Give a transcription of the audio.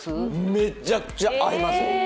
めちゃくちゃ合います。